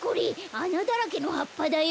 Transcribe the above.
あなだらけのはっぱだよ！